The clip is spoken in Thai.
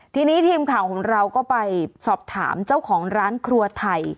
ทีนี้ทีมข่าวของเราก็ไปสอบถามเจ้าของร้านครัวไทย